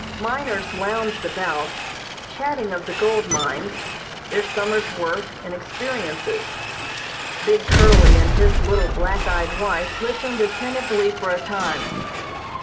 Miners lounged about, chatting of the gold mines, their summer's work and experiences. Big Curly and his little black eyed wife listened attentively for a time.